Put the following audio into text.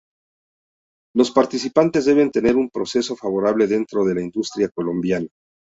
Los participantes deben tener un proceso favorable dentro de la industria colombiana.